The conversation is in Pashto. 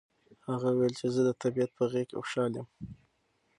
هغه وویل چې زه د طبیعت په غېږ کې خوشحاله یم.